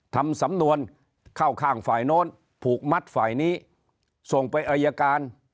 ทำสำนวนเข้าข้างฝ่ายโน้นผูกมัดฝ่ายนี้ส่งไปอายการ